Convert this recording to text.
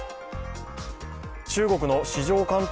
中国の市場監督